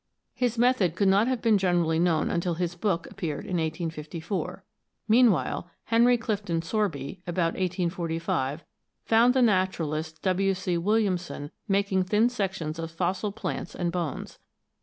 His method could not have been generally known until his book appeared in 1854. Meanwhile, Henry Clifton Sorby, about 1845, found the naturalist W. C. Williamson making thin sections of fossil plants and bones.